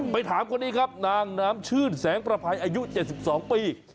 ถามคนนี้ครับนางน้ำชื่นแสงประภัยอายุ๗๒ปี